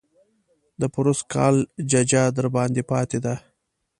د پروسږ کال ججه درباندې پاتې ده.